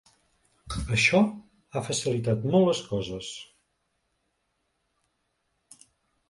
Això ha facilitat molt les coses.